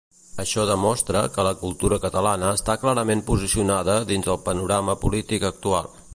Això demostra que la cultura catalana està clarament posicionada dins el panorama polític actual.